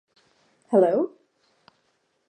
Hello?